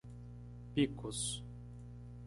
Picos